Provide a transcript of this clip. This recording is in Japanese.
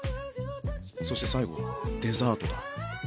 そして最後デザートだ。